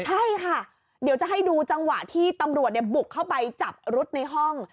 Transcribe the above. ใช่ค่ะเดี๋ยวจะให้ดูจังหวะที่ตำรวจบุกเข้าไปจับรุดในห้อง